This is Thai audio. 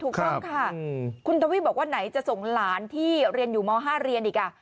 ถูกต้องค่ะคุณทวีบอกว่าไหนจะส่งหลานที่เรียนอยู่ม๕เรียนอีก